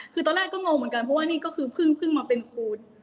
คือตอนแรกก็งงเหมือนกันเพราะว่านี่ก็คือเพิ่งมาเป็นครู